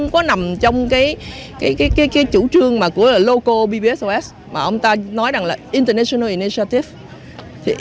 cái chủ trương của local bpsos mà ông ta nói là international initiative